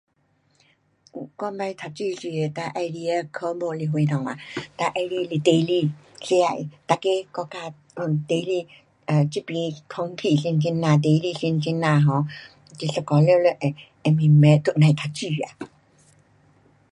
我以前读书时候最喜欢的科目是什么啊，最喜欢是地理，世界每个国家 um 地理，啊，这边空气怎怎样，地理怎怎样 um 你一下全部会，会明白，都甭读书啊。